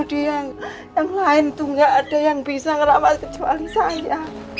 dia yang lain tuh gak ada yang bisa merawat kecuali saya